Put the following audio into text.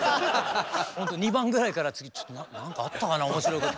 ホント２番ぐらいから「次ちょっと何かあったかな面白いこと」。